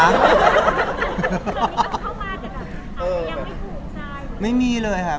อันนี้ต้องเข้ามาจากนั้น